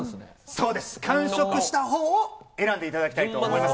そうです、完食したほうを選んでいただきたいと思います。